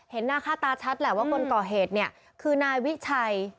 หน้าค่าตาชัดแหละว่าคนก่อเหตุเนี่ยคือนายวิชัย